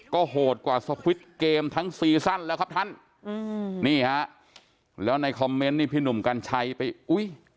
ก็โหดกว่าสควิตเกมทั้งซีซั่นแล้วครับท่านอืมนี่ฮะแล้วในคอมเมนต์นี่พี่หนุ่มกัญชัยไปอุ้ย